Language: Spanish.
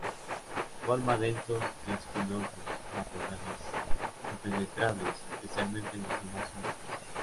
Forma densos y espinosos matorrales, impenetrables, especialmente en las zonas húmedas.